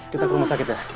kita ke rumah sakit ya